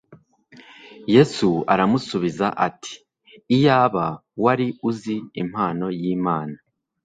Yesu aramusubiza ati : "iyaba wari uzi impano y'Imana,